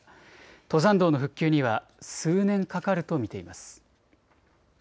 登山道の復旧には数年かかると見ています。